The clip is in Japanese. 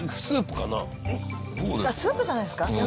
スープじゃないですか？